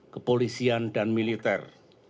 kepolisian dan militer